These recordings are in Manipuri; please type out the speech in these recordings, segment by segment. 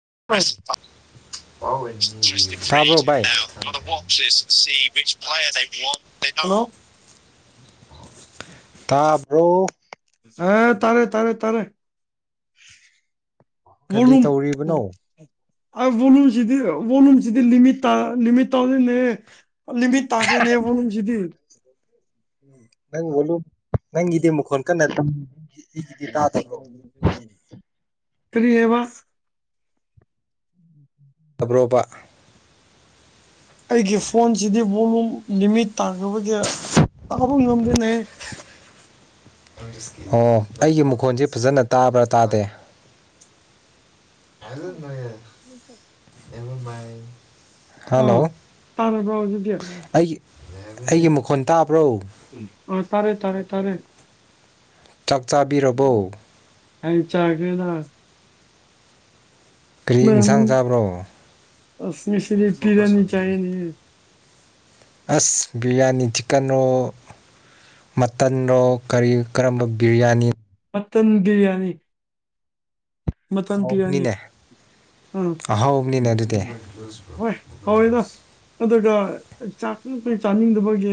[unintelligible] ꯇꯥꯕ꯭ꯔꯣ ꯚꯥꯏ ꯁꯤ [unintelligible] ꯇꯥꯕ꯭ꯔꯣ ꯑ ꯇꯥꯔꯦ ꯇꯥꯔꯦ ꯇꯥꯔꯦ [unintelligible] ꯀꯔꯤ ꯇꯧꯔꯤꯕꯅꯣ ꯚꯣꯂꯨꯝꯁꯤꯗꯤ ꯚꯣꯂꯨꯝꯁꯤꯗꯤ ꯂꯤꯃꯤꯠ ꯂꯤꯃꯤꯠ ꯇꯧꯅꯤꯅꯦ ꯂꯤꯃꯤꯠ ꯇꯥꯈ꯭ꯔꯦꯅꯦꯕꯣꯁꯤꯗꯤ ꯅꯪ ꯍꯣꯂꯣ ꯅꯪ ꯏꯗꯦ ꯃ ꯈꯣꯟ ꯀꯟꯅ [unintelligible] ꯎꯝ ꯇꯥꯗꯕ꯭ꯔꯣ ꯎ ꯎꯝ ꯀꯔꯤ ꯍꯥꯏꯕ ꯇꯕ꯭ꯔꯣꯕ ꯑꯩꯒꯤ ꯐꯣꯟꯁꯤꯗꯤ ꯚꯣꯂꯨꯝ ꯂꯤꯃꯤꯠ ꯇꯥꯟ ꯇꯕꯒꯤ ꯑꯃꯐꯥꯎ ꯉꯝꯗ꯭ꯦꯅꯦ ꯑꯣ ꯑꯩꯒꯤ ꯃꯈꯣꯟꯁꯦ ꯐꯖꯅ ꯇꯥꯕ꯭ꯔꯥ ꯇꯥꯗꯦ [unintelligible] ꯍꯜꯂꯣ ꯑꯩꯒꯤ ꯑꯩꯒꯤ ꯃꯈꯣꯟ ꯇꯥꯕ꯭ꯔꯣ ꯇꯥꯔꯦ ꯇꯥꯔꯦ ꯇꯥꯔꯦ ꯆꯥꯛ ꯆꯥꯕꯤꯔꯕꯣ ꯑ ꯆꯥꯒꯔꯦꯗ ꯀꯔꯤ ꯏꯟꯁꯥꯡ ꯆꯥꯕ꯭ꯔꯣ ꯑꯁ ꯉꯁꯤꯗꯤ ꯄꯤꯔꯅꯤ ꯆꯥꯌꯦꯅꯦ ꯑꯁ ꯕꯤꯔꯌꯥꯅꯤ ꯆꯤꯛꯀꯟ ꯔꯣ ꯃꯇꯟ ꯔꯣ ꯀꯔꯤ ꯀꯔꯝꯕ ꯕꯤꯔꯌꯥꯅꯤ ꯃꯇꯟ ꯕꯤꯔꯌꯥꯅꯤ ꯃꯇꯟ ꯄꯤꯔꯅꯤ ꯍꯥꯎꯕꯅꯤꯅꯦ ꯑꯥ ꯑꯍꯥꯎꯕꯅꯤꯅꯦ ꯑꯗꯨꯗꯤ ꯍꯣꯏ ꯍꯧꯔꯦꯗ ꯑꯗꯨꯒ ꯆꯥꯅꯤꯡꯕꯩ ꯆꯥꯅꯤꯡꯗꯕꯒꯤ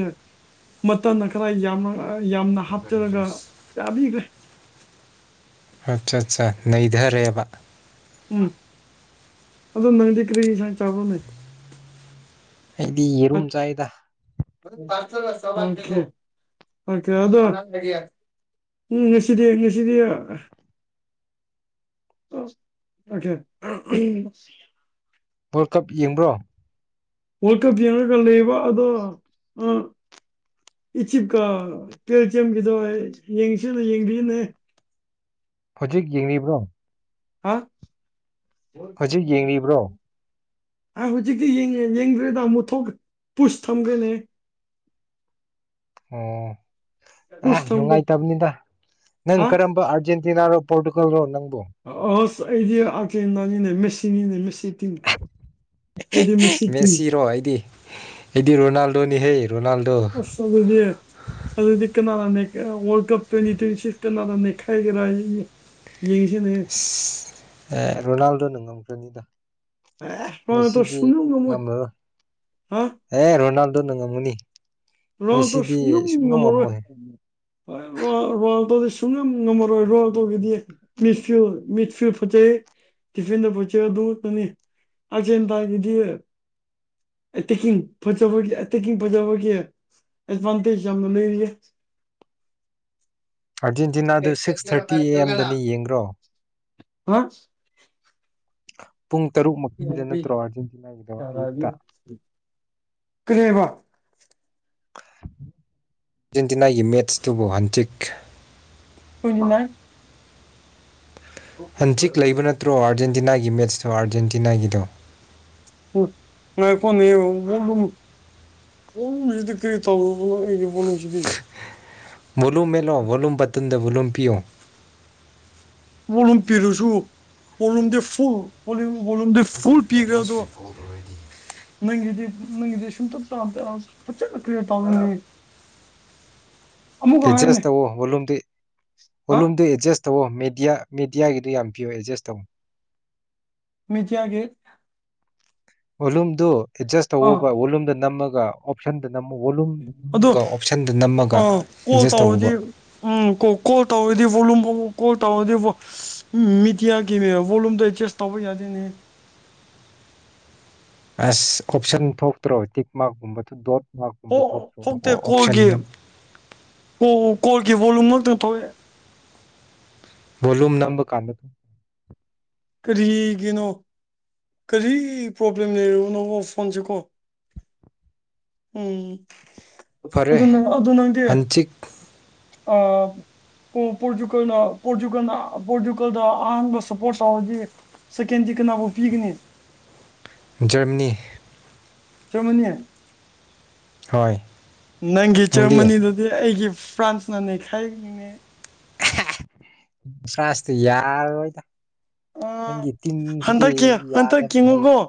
ꯃꯇꯟꯅ ꯈꯔ ꯌꯥꯝꯃꯒ ꯌꯥꯝꯅ ꯍꯥꯞꯆꯂꯒ ꯆꯥꯕꯤꯈ꯭ꯔꯦ ꯑꯠꯆꯥ ꯑꯠꯆꯥ ꯅꯩꯊꯔꯦꯕ ꯎꯝ ꯑꯗꯣ ꯅꯪꯗꯤ ꯀꯔꯤ ꯢꯟꯁꯥꯡ ꯆꯥꯕꯔꯣꯅꯦ ꯑꯩꯗꯤ ꯌꯦꯔꯨꯝ ꯆꯥꯏꯗ [unintelligible] ꯉꯁꯤꯗꯤ ꯉꯁꯤꯗꯤ ꯑꯣꯈꯦ ꯋꯥꯔꯜ ꯀꯞ ꯌꯦꯡꯕ꯭ꯔꯣ ꯋꯥꯔꯜ ꯀꯞ ꯌꯦꯡꯉꯒ ꯂꯩꯕ ꯑꯗꯣ ꯑꯥ ꯏꯆꯤꯞꯀ ꯕꯦꯜꯁꯤꯌꯝꯒꯤꯗꯣ ꯌꯦꯡꯁꯤ ꯌꯦꯡꯕꯤꯌꯅꯦ ꯍꯧꯖꯤꯛ ꯌꯦꯡꯂꯤꯕ꯭ꯔꯣ ꯍꯥ ꯍꯧꯖꯤꯛ ꯌꯦꯡꯂꯤꯕ꯭ꯔꯣ ꯍ ꯍꯧꯖꯤꯛꯀꯤ ꯌꯦꯉꯦ ꯌꯦꯡꯗ꯭ꯔꯦꯗ ꯃꯨꯊꯣꯛ ꯄꯨꯁ ꯊꯝꯈꯔꯦꯅꯦ ꯑꯣ ꯑ ꯄꯨꯁ ꯊꯝꯒ꯭ꯔꯦ ꯅꯨꯡꯉꯥꯏꯇꯕꯅꯤꯗ ꯅꯪ ꯍꯥ ꯀꯔꯝꯕ ꯑꯔꯖꯦꯟ ꯆꯤꯅꯥ ꯔꯣ ꯄꯣꯔꯇꯨꯒꯜ ꯔꯣ ꯅꯪ ꯑꯁ ꯑꯩꯗꯤ ꯑꯔꯖꯦꯟꯇꯤꯅꯥ ꯅꯤꯅꯦ ꯃꯦꯁꯤ ꯅꯤꯅꯦ ꯇꯤꯝ ꯃꯦꯁꯤꯔꯣ ꯑꯩꯗꯤ ꯑꯩꯗꯤ ꯔꯣꯅꯥꯜꯗꯣ ꯗꯣꯅꯤ ꯍꯩ ꯑꯁ ꯑꯗꯨꯗꯤ ꯑꯗꯨꯗꯤ ꯀꯅꯥ ꯋꯥꯜ ꯀꯞ ꯇ꯭ꯋꯦꯟꯇꯤ ꯇ꯭ꯋꯦꯟꯇꯤ ꯁꯤꯁ ꯀꯅꯥ ꯈꯥꯏꯒꯔ ꯑꯦ ꯔꯣꯅꯥꯜꯗꯣ ꯉꯝ ꯄꯅꯤꯗ ꯑꯦ ꯃꯥꯗꯨ ꯁꯅꯨꯒ ꯃꯣꯏ ꯉꯝꯃꯔꯣꯏ ꯍꯥ ꯑꯗꯨ ꯅꯉꯝ ꯃꯅꯤ ꯔꯣꯜꯅꯥꯟꯗꯣ ꯁꯨꯡꯉꯝ ꯉꯝꯃꯔꯣꯏ ꯉꯝꯃꯣꯏ ꯔꯣꯜ ꯔꯣꯜꯅꯥꯟꯗꯣꯗꯤ ꯁꯨꯡꯉꯝ ꯉꯝꯃꯔꯣꯏ ꯔꯣꯜ ꯇꯧꯒꯗꯤ ꯃꯤ ꯐꯤꯌꯨ ꯃꯤꯠ ꯐꯌꯨ ꯐꯖꯩ ꯇꯤꯐꯤꯟꯗ ꯐꯠꯆꯩ ꯑꯗꯨꯗꯨꯅꯤ ꯑꯁꯦꯟ ꯇꯥꯏꯒꯤꯗꯤ ꯑꯦꯇꯦꯛꯀꯤꯡ ꯐꯖꯕꯒꯤ ꯑꯦꯇꯦꯛꯀꯤꯡ ꯐꯖꯕꯒꯤ ꯑꯦꯠ ꯕꯥꯟꯇꯦꯁ ꯌꯥꯝꯅ ꯂꯩꯔꯤꯌꯦ ꯑꯥꯔꯖꯦꯟꯇꯤꯅꯥꯗꯨ ꯁꯤꯛꯁ ꯊꯥꯔꯇꯤ ꯑꯦ ꯑꯦꯝꯗꯅꯤ ꯌꯦꯡꯕ꯭ꯔꯣ ꯍꯥ [unintelligible] ꯄꯨꯡ ꯇꯔꯨꯛ ꯃꯈꯥꯏꯗ ꯅꯠꯇ꯭ꯔꯣ ꯑꯥꯔꯖꯦꯟꯇꯤꯅꯥꯒꯤꯗꯣ ꯑꯌꯨꯛꯇ ꯀꯔꯤ ꯍꯥꯏꯕ ꯑꯥꯔꯖꯦꯟꯇꯤꯅꯥꯒꯤ ꯃꯦꯠꯁꯇꯨꯕꯨ ꯍꯟꯆꯤꯛ [unintelligible] ꯍꯟꯆꯤꯛ ꯂꯩꯕ ꯅꯠꯇ꯭ꯔꯣ ꯑꯔꯖꯦꯟꯇꯤꯅꯥꯒꯤ ꯑꯩ ꯒꯤ ꯃꯦꯠꯆꯇꯣ ꯑꯥꯔꯖꯦꯟꯇꯤꯅꯥꯒꯤꯗꯣ [unintelligible] ꯑꯩꯒꯤ ꯕꯣꯜꯂꯨꯝꯁꯤꯗꯤ ꯚꯣꯜꯂꯨꯝ ꯃꯦꯜꯂꯣ ꯚꯣꯂꯨꯝ ꯕꯇꯟꯗ ꯃꯇꯨꯡꯟꯗ ꯋꯂꯨꯝ ꯄꯤꯌꯣ ꯄꯣꯂꯨꯝ ꯄꯤꯔꯨꯁꯨ ꯄꯣꯂꯨꯝꯗꯤ ꯐꯨ ꯄꯣꯂꯨꯝ ꯚꯣꯂꯨꯝꯗ ꯐꯨꯜ ꯄꯤꯈ꯭ꯔꯦꯗꯣ ꯅꯪꯒꯤꯗꯤ ꯅꯪꯒꯤꯗꯤ ꯁꯨꯝꯇꯞ ꯇ ꯇ ꯐꯖꯅ ꯀ꯭ꯂꯤꯔ ꯇꯥꯒꯤꯅꯦ ꯑꯦꯗꯖꯁ ꯇꯧꯑꯣ ꯕꯣꯂꯨꯝꯗꯤ ꯍꯥ ꯕꯣꯂꯨꯝꯗꯤ ꯑꯦꯖꯁ ꯇꯧꯑꯣ ꯃꯦꯗꯤꯌꯥ ꯃꯦꯗꯤꯌꯥꯒꯤꯗꯨ ꯌꯥꯝ ꯄꯤꯑꯣ ꯑꯦꯗꯖꯁ ꯇꯧ ꯃꯤꯗꯤꯌꯥꯒꯤ ꯔꯣꯂꯨꯝꯗꯨ ꯑꯦꯗꯖꯁ ꯇꯧꯕ ꯋꯣꯂꯨꯝꯗ ꯅꯝꯃꯒ ꯑꯣꯞꯁꯟ ꯇ ꯑꯗꯨ ꯅꯝꯃꯒ ꯑꯣ ꯀꯣꯜ ꯑꯦꯗꯖꯁ ꯇꯧꯔꯗꯤ ꯇꯧꯋꯣꯕ ꯎꯝ ꯀꯣꯜ ꯇꯧꯔꯗꯤ ꯚꯣꯂꯨꯝ ꯑꯃꯛ ꯀꯣꯜ ꯇꯧꯔꯗꯤ ꯃꯤꯗꯤꯌꯥꯒꯤ ꯕꯣꯂꯨꯝꯗꯣ ꯑꯦꯠꯆꯦꯁ ꯇꯧꯕ ꯌꯥꯗꯦꯅꯦ ꯑꯁ ꯑꯣꯞꯁꯟ ꯊꯣꯛꯇ꯭ꯔꯣ ꯇꯤꯛ ꯃꯥꯔꯛꯀꯨꯝꯕꯗꯨ ꯗꯣꯠ ꯃꯥꯔꯛꯀꯨꯝꯕ ꯊꯣꯛꯇ꯭ꯔꯣ ꯊꯣꯛꯇꯦ ꯑꯣꯞꯁꯟ ꯀꯣꯜꯒꯤ ꯀꯣꯜꯒꯤ ꯕꯣꯜꯂꯨꯝ ꯊꯣꯛꯋꯦ ꯚꯣꯂꯨꯝ ꯅꯝꯕ ꯀꯥꯟꯗ ꯀꯔꯤꯒꯤꯅꯣ ꯀꯔꯤ ꯄ꯭ꯔꯣꯕ꯭ꯂꯦꯝ ꯂꯩꯔꯕꯅꯣꯕ ꯐꯣꯟꯁꯦꯀꯣ ꯎꯝ ꯐꯔꯦ ꯑꯗꯨ ꯅꯪ ꯑꯗꯨ ꯅꯪꯗꯤ ꯍꯟꯆꯤꯛ ꯑ ꯄꯣ ꯄꯣꯔꯇꯨꯒꯜꯅ ꯄꯣꯔꯇꯨꯒꯜꯅ ꯄꯣꯔꯇꯨꯒꯜꯗ ꯑꯍꯥꯟꯕ ꯁꯄꯣꯔꯁ ꯇꯧꯔꯗꯤ ꯁꯦꯀꯦꯟꯗꯤ ꯀꯅꯥꯕꯨ ꯄꯤꯒꯅꯤ ꯖꯔꯃꯅꯤ ꯖꯔꯃꯅꯤ ꯍꯣꯏ ꯅꯪꯒꯤ ꯅꯪꯗꯤ ꯆꯔꯃꯅꯤꯗꯨꯗꯤ ꯑꯩꯒꯤ ꯐ꯭ꯔꯥꯟꯁꯅ ꯅꯩꯈꯥꯏꯔꯤꯅꯦꯃꯦ ꯍꯥꯥ ꯁꯥꯁꯇꯤ ꯌꯥꯔꯔꯣꯏꯗ ꯑꯑ ꯅꯪꯒꯤ ꯇꯤꯝꯁꯤꯗꯤ ꯍꯟꯗꯛꯀꯤ ꯌꯥꯗꯕ ꯍꯟꯇꯛꯀꯤꯅꯦꯀꯣ ꯅꯩꯗꯦ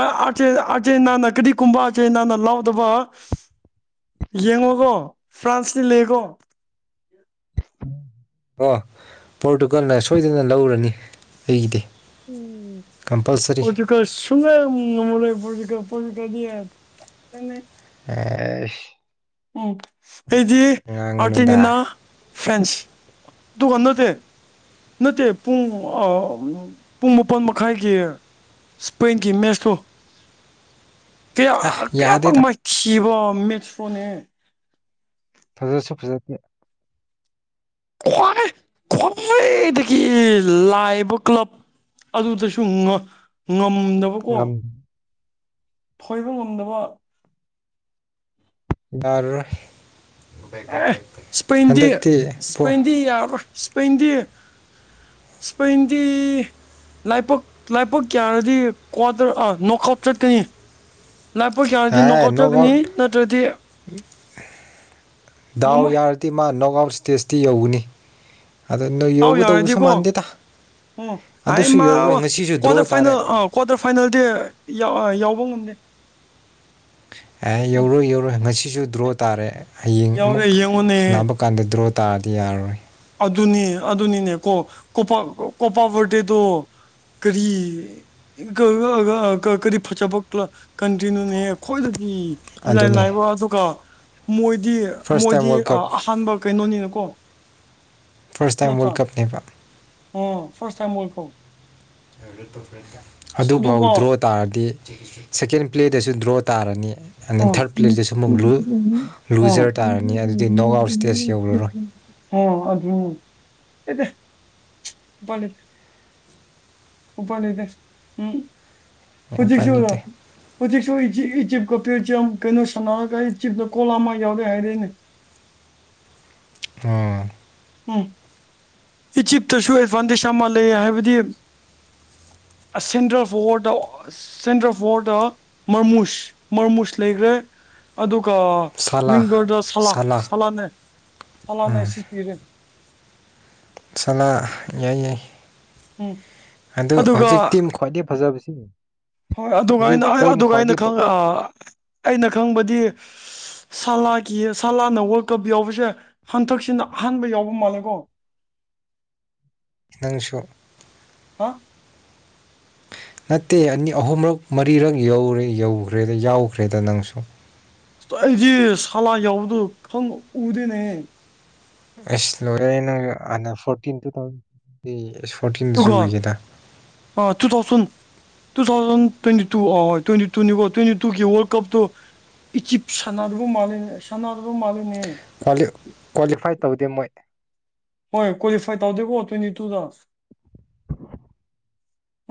ꯑ ꯑꯆꯦ ꯑꯆꯦꯅꯥꯅ ꯀꯔꯤ ꯀꯨꯝꯕꯥ ꯆꯩꯅꯥꯅ ꯂꯥꯎꯗꯕ ꯌꯦꯡꯉꯣꯒꯣ ꯐ꯭ꯔꯥꯟꯁꯇꯤ ꯂꯦꯀꯣ ꯑꯣ ꯄꯣꯔꯇꯨꯒꯜꯅ ꯁꯣꯏꯗꯅ ꯂꯧꯔꯅꯤ ꯑꯩꯒꯤꯗꯤ ꯎꯝ ꯀꯝꯄꯜꯁꯔꯤ ꯄꯣꯔꯇꯨꯒꯜ ꯁꯨꯡꯉꯝ ꯉꯝꯃꯔꯣꯏ ꯄꯣꯔꯇꯨ ꯒ ꯄꯣꯔꯇꯨꯒꯜꯗꯤ ꯇꯅꯦ ꯑꯩꯁ ꯎꯝ ꯑꯩꯗꯤ ꯉꯥꯡꯒꯅꯨꯗ ꯑꯥꯔꯇꯦꯟꯖꯤꯅꯥ ꯐ꯭ꯔꯦꯟꯁ ꯑꯗꯨꯒ ꯅꯠꯇꯦ ꯅꯠꯇꯦ ꯄꯨꯡ ꯑ ꯄꯨꯡ ꯃꯥꯄꯟ ꯃꯈꯥꯏꯒꯤ ꯁꯄꯦꯟꯒꯤ ꯃꯦꯠꯁꯇꯣ ꯀꯌꯥ ꯑꯥ ꯀꯌꯥꯃꯛ ꯌꯥꯗꯦꯗ ꯃꯥꯏꯊꯤꯕ ꯃꯦꯛꯁ ꯐꯣꯟꯅꯦ ꯐꯖꯁꯨ ꯐꯖꯗꯦ ꯈ꯭ꯋꯥꯏ ꯈ꯭ꯋꯥꯏꯗꯒꯤ ꯂꯥꯏꯕ ꯀ꯭ꯂꯕ ꯑꯗꯨꯗꯁꯨ ꯉ ꯉꯝ ꯉꯝ ꯐꯣꯏꯕ ꯉꯝꯗꯕ ꯗꯥꯔꯔꯣꯏ ꯑꯦ ꯁ꯭ꯄꯦꯟꯗꯤ ꯄꯣ ꯁ꯭ꯄꯦꯟꯗꯤ ꯌꯥꯔꯔꯣꯏ ꯁ꯭ꯄꯦꯟꯗꯤ ꯁ꯭ꯄꯦꯟꯗꯤ ꯂꯥꯏꯕꯛ ꯂꯥꯏꯕꯛ ꯌꯥꯔꯗꯤ ꯀ꯭ꯋꯥꯇꯔ ꯑ ꯅꯣꯛ ꯑꯥꯎꯠ ꯆꯠꯀꯅꯤ ꯂꯥꯏꯕꯛ ꯌꯥꯔꯗꯤ ꯅꯣꯀ ꯑꯦ ꯑꯥꯎꯠ ꯅꯣꯛ ꯆꯠꯀꯅꯤ ꯅꯠꯇ꯭ꯔꯗꯤ ꯗꯥꯎ ꯉꯝꯃꯣꯏ ꯌꯥꯔꯗꯤ ꯃꯥ ꯅꯣꯛ ꯑꯥꯎꯠ ꯁ꯭ꯇꯦꯖꯇꯤ ꯌꯧꯒꯅꯤ ꯑꯗꯣ ꯅꯣꯏ ꯌꯥꯥꯎ ꯌꯧꯒꯗꯧꯕꯁꯨ ꯌꯥꯎꯔꯗꯤꯀꯣ ꯃꯥꯟꯗꯦꯗ ꯎꯝ ꯍꯥꯏ ꯑꯗꯨꯁꯨ ꯃꯥ ꯌꯧꯔꯣꯏ ꯉꯁꯤꯁꯨ ꯗ꯭ꯔꯣ ꯀ꯭ꯋꯥꯇꯔ ꯇꯥꯔꯦ ꯐꯥꯏꯅꯦꯜ ꯑ ꯀ꯭ꯋꯥꯇꯔ ꯐꯥꯏꯅꯦꯜꯗꯤ ꯌꯧ ꯕ ꯉꯝꯗꯦ ꯑꯦ ꯎꯝ ꯌꯧꯔꯣꯏ ꯌꯧꯔꯣꯏ ꯉꯁꯤꯁꯨ ꯗ꯭ꯔꯣ ꯇꯥꯔꯦ ꯍꯌꯦꯡ ꯌꯥꯎꯔꯦ ꯑꯃꯨꯛ ꯌꯦꯡꯉꯨꯅꯦ ꯁꯟꯅꯕ ꯀꯥꯟꯗ ꯗ꯭ꯔꯣ ꯇꯥꯔꯗꯤ ꯌꯥꯔꯔꯣꯏ ꯑꯗꯨꯅꯦ ꯑꯗꯨꯅꯤꯅꯦ ꯀꯣ ꯀꯣꯄꯥ ꯀꯣꯄꯥ ꯕꯔꯗꯦꯗꯣ ꯀꯔꯤ ꯀ ꯀ ꯀ ꯀ ꯀꯔꯤ ꯐꯖꯕ ꯀꯂ ꯀꯟꯇ꯭ꯔꯤꯅꯣꯅꯦ ꯑꯩꯈꯣꯏꯗꯗꯤ ꯏꯂꯥꯏ ꯑꯗꯨꯅꯦ ꯂꯥꯏꯕ ꯑꯗꯨꯒ ꯃꯣꯏꯗꯤ ꯐꯥꯔꯁ ꯇꯥꯏꯝ ꯃꯣꯏꯗꯤ ꯋꯥꯔꯜ ꯀꯞ ꯑꯍꯥꯟꯕ ꯀꯩꯅꯣꯅꯤꯅꯀꯣ ꯐꯥꯔꯁ ꯇꯥꯏꯝ ꯅꯠꯇ꯭ꯔ ꯋꯥꯔꯜ ꯀꯞꯅꯦꯕ ꯐꯥꯔꯁ ꯇꯥꯏꯝ ꯑꯣꯏꯀꯣ ꯑꯗꯨ ꯐꯥꯎ ꯑꯗꯨꯒ ꯗ꯭ꯔꯣ ꯇꯥꯔꯗꯤ ꯁꯦꯀꯦꯟ ꯄ꯭ꯂꯦꯗꯁꯨ ꯗ꯭ꯔꯣ ꯇꯥꯔꯅꯤ ꯑꯗꯩ ꯊꯥꯔꯠ ꯄ꯭ꯂꯦꯗꯁꯨ ꯑꯃꯨꯛ ꯂꯨ ꯂꯨꯖꯔ ꯇꯥꯔꯅꯤ ꯑꯗꯨꯗꯤ ꯅꯣꯛ ꯑꯥꯎꯠ ꯏꯁꯇꯦꯖ ꯌꯧꯔꯔꯣꯏ ꯑꯗꯨ [unintelligible] ꯑꯦꯗ ꯑꯁ ꯎꯄꯥꯢ ꯂꯩꯇꯦ ꯎꯄꯥꯢ ꯂꯩꯇꯦ ꯎꯝ ꯌꯥꯝ ꯎꯄꯥꯏ ꯍꯨꯖꯤꯛꯁꯨ ꯂꯩꯇꯦ ꯍꯨꯖꯤꯛꯁꯨ ꯏꯖꯤꯞ ꯏꯖꯤꯞ ꯀ ꯇꯨꯖꯝ ꯀꯩꯅꯣ ꯁꯥꯟꯅꯔꯈ ꯏꯖꯤꯞꯗ ꯀꯣꯜ ꯑꯃ ꯌꯥꯎꯔꯦ ꯍꯥꯏꯔꯦꯅꯦ ꯎꯝ ꯎꯝ ꯏꯖꯤꯞꯇꯁꯨ ꯑꯦꯗꯚꯥꯟꯇꯦꯖ ꯑꯃ ꯂꯩ ꯍꯥꯏꯕꯗꯤ centre forward centre forward ꯃꯥꯔꯃꯨꯁ ꯃꯥꯔꯃꯨꯁ ꯂꯩꯈ꯭ꯔꯦ ꯑꯗꯨ ꯒ ꯁꯂꯥ ꯋꯤꯡꯒꯔꯗ ꯁꯂ ꯁꯂꯥ ꯁꯂꯥꯅ ꯁꯂꯅꯦ ꯁꯤꯄꯤꯔꯦ ꯁꯥꯂ ꯌꯥꯏ ꯌꯥꯏ ꯎꯝ ꯑꯗꯨ ꯑꯗꯨꯒ ꯍꯧꯖꯤꯛ ꯇꯤꯝ ꯈ꯭ꯋꯥꯏꯗꯒꯤ ꯐꯖꯕꯁꯤ ꯍꯣꯏ ꯑꯗꯨꯒꯥ ꯍꯧꯖꯤꯛ ꯄꯣꯏꯟ ꯑꯏꯅ ꯈ꯭ꯋꯥꯏꯗꯒꯤ ꯐ ꯈꯪ ꯑꯩꯅ ꯑꯩꯅ ꯈꯪꯕꯗꯤ ꯁꯂꯥꯒꯤ ꯁꯂꯥꯅ ꯋꯥꯔꯜ ꯀꯞ ꯌꯥꯎꯕꯁꯦ ꯍꯟꯊꯛꯁꯤꯅ ꯑꯍꯥꯟꯕ ꯌꯥꯎꯕ ꯃꯥꯜꯂꯦꯀꯣ ꯅꯪꯁꯨ [inaudible] ꯅꯠꯇꯦ ꯑꯅꯤ ꯑꯍꯨꯝꯔꯛ ꯃꯔꯤꯔꯛ ꯌꯧꯔꯦ ꯌꯧꯔꯦꯗ ꯌꯥꯎꯈ꯭ꯔꯦꯗ ꯅꯪꯁꯨ ꯑꯩꯗꯤ ꯁꯥꯂꯥ ꯌꯥꯎꯕꯗꯨꯣ ꯈꯪ ꯎꯗꯦꯅꯦ ꯏꯁ ꯂꯣꯢꯔꯦꯍꯦ ꯅꯪꯁꯨ ꯈꯥꯟꯅ ꯐꯣꯔꯇꯤꯟ ꯇꯨ ꯊꯥꯎꯖꯟꯗ ꯁꯨ ꯑꯗꯨꯀꯣ two thousand two two thousand twenty two twenty ꯇꯨꯅꯤꯀꯣ ꯍꯣꯢ ꯇ꯭ꯋꯦꯟꯇꯤ ꯇꯨꯒꯤ ꯋꯥꯔꯜ ꯀꯞꯇꯣ ꯏꯖꯤꯞ ꯁꯥꯟꯅꯕ ꯃꯥꯜꯂꯦ ꯁꯥꯟꯅꯕ ꯃꯥꯜꯂꯤꯅꯦ ꯀ꯭ꯋꯥꯂꯤ ꯀ꯭ꯋꯥꯂꯤꯐꯥꯏ ꯇꯧꯗꯦ ꯃꯣꯏ ꯍꯣꯏ ꯀ꯭ꯋꯥꯂꯤ ꯐꯥꯏꯚ ꯇꯧꯗꯦꯀꯣ ꯇ꯭ꯋꯦꯟꯇꯤ ꯇꯨꯗ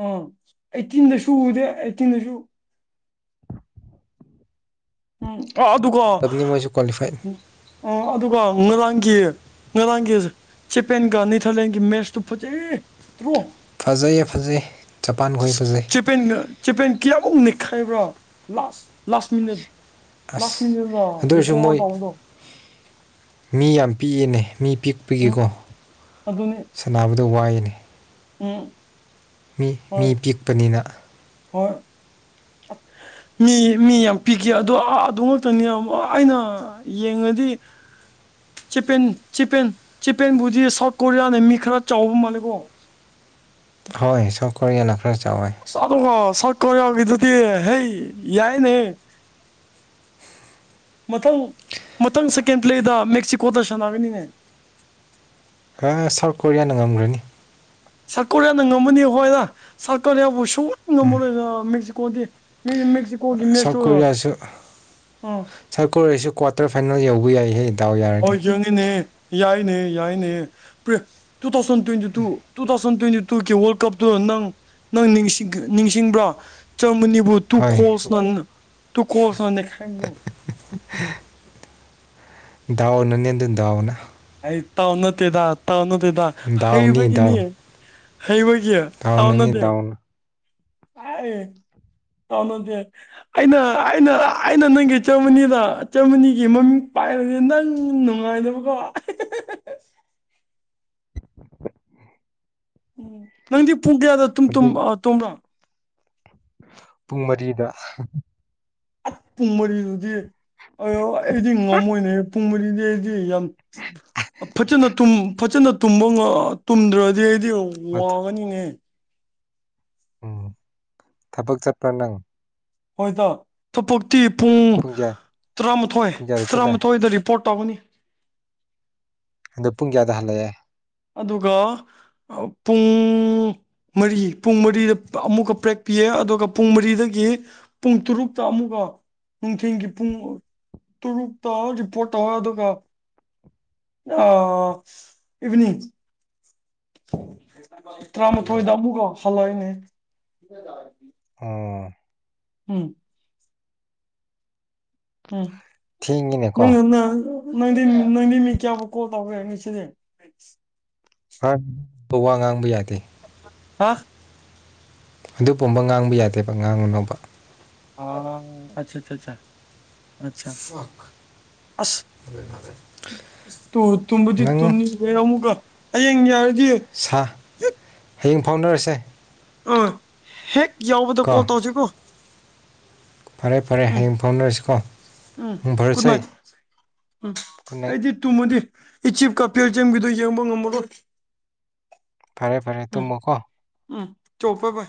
ꯑꯥ ꯑꯩꯠꯇꯤꯟꯗꯁꯨ ꯎꯗꯦ ꯑꯩꯠꯇꯤꯟꯗꯁꯨ ꯎꯝ ꯑꯗꯨꯒꯥ ꯇꯧꯕꯅꯤ ꯃꯣꯏꯁꯨ ꯀ꯭ꯋꯥꯂꯤꯐꯥꯏ ꯑꯗꯨꯒ ꯉꯔꯥꯡꯒꯤ ꯉꯔꯥꯡꯒꯤ ꯆꯦꯄꯦꯟꯒ ꯅꯦꯙꯔꯂꯦꯟꯒ ꯃꯦꯠꯁꯇꯨ ꯐꯖꯩ ꯐꯖꯩꯌꯦ ꯐꯖꯩ ꯖꯄꯥꯟ ꯈꯣꯏ ꯐꯖꯩ ꯆꯦꯄꯦꯟꯒ ꯆꯦꯄꯦꯟ ꯀꯌꯥꯃꯨꯛ ꯅꯩꯈꯥꯏꯕ꯭ꯔꯥ ꯂꯥꯁ ꯂꯥꯁ ꯃꯤꯅꯠ ꯂꯥꯁ ꯑꯁ ꯃꯤꯅꯠꯗ ꯑꯗꯨ ꯑꯣꯏꯔꯁꯨ ꯔꯤꯀꯣꯜ ꯃꯣꯏ ꯇꯧꯕꯗꯣ [inaudible] ꯃꯤ ꯌꯥꯝ ꯄꯤꯛꯌꯦꯅꯦ ꯃꯤ ꯎꯝ ꯄꯤꯛꯏꯀꯣ ꯑꯗꯨꯅꯤ ꯁꯥꯟꯅꯕ ꯄꯤꯛ ꯑꯗꯨ ꯋꯥꯏꯅꯦ ꯎꯝ ꯃꯤ ꯃꯤ ꯍꯣꯏ ꯄꯤꯛꯄꯅꯤꯅ ꯍꯣꯏ ꯃꯤ ꯃꯤ ꯌꯥꯝ ꯄꯤꯈꯤ ꯑꯗꯣ ꯑꯗꯨ ꯉꯥꯛꯛꯇꯅꯤ ꯑꯩꯅ ꯌꯦꯡꯉꯗꯤ ꯆꯦꯄꯦꯟ ꯆꯦꯄꯦꯟ ꯆꯄꯦꯟꯕꯨꯗꯤ ꯁꯥꯎꯠ ꯀꯣꯔꯤꯌꯥꯅ ꯃꯤ ꯈꯔ ꯆꯥꯎꯕ ꯃꯥꯜꯂꯦꯀꯣ ꯍꯣꯏ ꯁꯥꯎꯠꯀꯣꯔꯤꯌꯥꯅ [inaudible] ꯀ ꯌꯥꯎꯗꯨꯗꯤ ꯍꯩ ꯌꯥꯏꯅꯦ ꯃꯊꯪ ꯃꯊꯪ ꯁꯦꯀꯦꯟ ꯄꯂꯦ ꯃꯦꯛꯁꯤꯀꯣꯗ ꯁꯥꯟꯅꯒꯅꯤꯅꯦ ꯁꯥꯎꯠ ꯀꯣꯔꯤꯌꯥꯅ ꯉꯝꯒꯔꯥꯅꯤ ꯁꯔꯀꯥꯔꯌꯥꯅ ꯉꯝꯃꯅꯤ ꯍꯣꯏꯔ ꯁꯔꯀꯥꯔꯌꯥꯕꯨ [unintelligible] ꯀꯣꯗꯦ ꯃꯦꯛꯁꯤ ꯁꯔꯀꯣꯔꯤꯌꯥꯁꯨ ꯑꯥ ꯁꯀꯣꯔꯤꯁꯨ ꯀ꯭ꯋꯥꯔꯇꯔ ꯐꯥꯏꯟꯜ ꯌꯎꯕ ꯌꯥꯏꯍꯦ ꯗꯥꯎ ꯌꯥꯔꯗꯤ ꯍꯣꯏ ꯆꯪꯉꯤꯅꯦ ꯌꯥꯏꯅꯦ ꯌꯥꯏꯅꯦ two thousand twenty two two thousand twenty ꯇꯨꯒꯤ ꯋꯥꯔꯜ ꯀꯞꯇꯨ ꯅꯪ ꯅꯪ ꯅꯤꯡꯁꯤꯡ ꯅꯤꯡꯁꯤꯡꯕ꯭ꯔꯥ ꯖꯔꯃꯅꯤ ꯕꯨ ꯍꯣꯏ ꯇꯨ ꯀꯣꯜꯁꯅꯪ [inaudible] [unintelligible] ꯗꯎ ꯅꯅꯦ ꯑꯗꯨ ꯗꯎꯅ ꯑꯩ ꯇꯎ ꯅꯇꯦꯗ ꯇꯎ ꯅꯠ ꯑꯗꯨꯗ ꯍꯩꯕꯒꯤꯅꯤ ꯍꯩ ꯑꯣꯏ ꯇꯎꯅꯅꯤꯗꯥꯎꯅ ꯑꯦ ꯇꯥꯎꯅꯗꯦ ꯑꯩꯅ ꯑꯩꯅ ꯑꯩꯅ ꯅꯪꯒꯤ ꯆꯝꯃꯅꯤꯗ ꯏꯆꯝꯃꯅꯤꯒꯤ ꯃꯃꯤꯡ ꯄꯥꯏꯔꯗꯤ ꯅꯪ ꯅꯨꯡꯉꯥꯏꯗꯕꯀꯣ ꯎꯝ ꯅꯪꯗꯤ ꯄꯨꯡ ꯀꯌꯥꯗ ꯇꯨꯝ ꯍꯧꯖꯤꯛ ꯇꯨꯝ꯭ꯔ ꯄꯨꯡ ꯃꯔꯤꯗ ꯄꯨꯡ ꯃꯔꯤꯗꯨꯗꯤ ꯑꯥ ꯑꯩꯗꯤ ꯉꯝꯃꯣꯏꯅꯦ ꯄꯨꯡ ꯃꯔꯤꯗꯤ ꯑꯩ ꯌꯥꯝ ꯐꯖꯅ ꯇꯨꯝ ꯐꯖꯅ ꯇꯨꯝꯕ ꯇꯨꯝꯗ꯭ꯔꯗꯤ ꯑꯩ ꯑꯗꯨ ꯋꯥꯡꯉꯅꯤꯅꯦ ꯎꯝ ꯊꯕꯛ ꯆꯠꯄ꯭ꯔꯥ ꯅꯪ ꯍꯣꯏ [unintelligible] ꯄꯨꯡ ꯇꯔꯥꯃꯥꯊꯣꯏ ꯄꯨꯡ ꯀꯌꯥꯗ ꯆꯠꯂꯦ ꯇꯔꯥꯃꯥꯊꯣꯏꯗ ꯔꯤꯄꯣꯔꯠ ꯇꯕꯨꯅꯤ ꯄꯨꯡ ꯀꯌꯥꯗꯍꯜꯂꯛꯑꯦ ꯑꯗꯨꯒ ꯄꯨꯡ ꯃꯔꯤ ꯄꯨꯡ ꯃꯔꯤꯗ ꯑꯃꯨꯛꯀ ꯄ꯭ꯔꯦꯛ ꯄꯤꯌꯦ ꯑꯗꯨꯒ ꯄꯨꯡ ꯃꯔꯤꯗꯒꯤ ꯄꯨꯡ ꯇꯔꯨꯛꯇ ꯑꯃꯨꯛꯀ ꯅꯨꯡꯊꯤꯟꯒꯤ ꯄꯨꯡ ꯇꯔꯨꯛꯇ ꯔꯤꯄꯣꯔꯠ ꯇꯧꯋꯦ ꯑꯗꯨꯒ ꯑꯥ ꯏꯚꯅꯤꯡ ꯇꯔꯥꯃꯊꯣꯏꯗꯑꯃꯨꯒ ꯐꯂꯣꯏꯅꯦ ꯑꯣ ꯎꯝ ꯎꯝ ꯅꯣꯏ ꯊꯦꯡꯉꯤꯅꯦꯀꯣ ꯌꯨꯝꯅ ꯅꯪꯗꯤ ꯅꯪꯗꯤ ꯃꯤ ꯀꯌꯥꯕꯨꯛ ꯀꯣꯜ ꯇꯧꯕ ꯌꯥꯅꯤ ꯁꯤꯗꯤ [inaudible] ꯋꯥ ꯉꯥꯡꯕ ꯌꯥꯗꯦ ꯍꯥ ꯑꯗꯨ ꯄꯨꯝꯕ ꯉꯥꯡꯕ ꯌꯥꯗꯦꯕ ꯉꯥꯡꯉꯨꯅꯨꯕ ꯑ ꯑꯆꯥ ꯑꯆꯥ ꯑꯆꯥ ꯑꯆꯥ ꯑꯁ ꯇ ꯇꯨ ꯇꯨꯝꯕꯨꯗꯤ ꯅꯪ ꯇꯨꯅꯤꯡꯗꯦ ꯑꯃꯨꯛꯀ ꯍꯌꯦꯡ [inaudible] [inaudible] ꯁꯥ ꯍꯌꯦꯡ ꯐꯥꯎꯅꯔꯁꯦ ꯑ ꯍꯦꯛ ꯌꯥꯎꯕꯗꯣ ꯀꯣꯜ ꯀꯣ ꯇꯧꯁꯤꯀꯣ ꯐꯔꯦ ꯐꯔꯦ ꯎꯝ ꯍꯌꯦꯡ ꯐꯥꯎꯅꯔꯁꯤꯀꯣ ꯎꯝ ꯒꯨꯗ ꯃꯪꯐꯔꯁꯦ ꯅꯥꯏꯠ ꯎꯝ ꯑꯩꯗꯤ ꯇꯨꯝꯃꯗꯤ ꯏꯖꯤꯄꯀ ꯕꯦꯜꯒꯄꯒꯤꯗꯣ ꯌꯦꯡꯕ ꯉꯝꯃꯔꯣꯏ ꯐꯔꯦ ꯐꯔꯦ ꯇꯨꯝꯃꯣꯀꯣ ꯆꯣꯞꯄ ꯄ